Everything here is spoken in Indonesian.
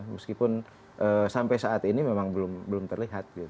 meskipun sampai saat ini memang belum terlihat